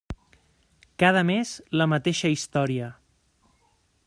Cada mes, la mateixa història.